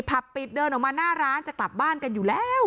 ปิดเดินออกมาหน้าร้านจะกลับบ้านกันอยู่แล้ว